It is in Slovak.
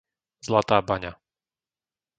Zlatá Baňa